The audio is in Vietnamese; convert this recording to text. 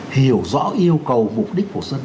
hiểu rõ yêu cầu mục đích của dân